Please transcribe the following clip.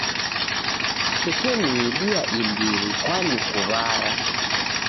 Kusekeniidia imbiri kwanikuw'ara.